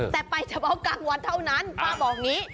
แต่ไปเฉพาะกลางวันเท่านั้นป้าบอกอย่างนี้